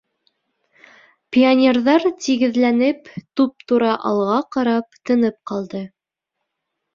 Пионерҙар, тигеҙләнеп, туп-тура алға ҡарап, тынып ҡалды.